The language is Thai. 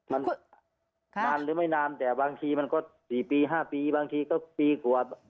มันนานหรือไม่นานแต่บางทีมันก็๔ปี๕ปีบางทีก็ปีกว่า